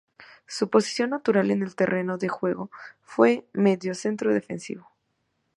Su posición natural en el terreno de juego fue mediocentro defensivo.